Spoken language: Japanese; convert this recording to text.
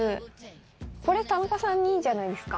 これ田中さんにいいんじゃないですか？